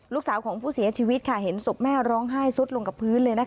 ลูกสาวของผู้เสียชีวิตเห็นศพแม่ร้องไห้สุดลงกับพื้นเลย